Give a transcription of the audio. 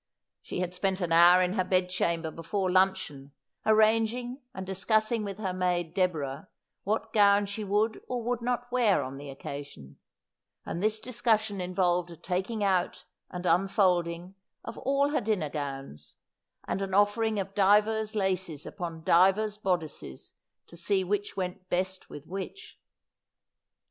She had spent an hour in her bed chamber before lun cheon, arranging and discussing with her maid Deborah what gown she would or would not wear on the occasion ; and this discussion involved a taking out and unfolding of all her dinner gowns, and an offering of divers laces upon divers bodices, to see which went best with which.